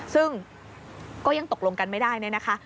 ซึ่งก็ยังตกลงกันไม่ได้เนี่ยนะคะ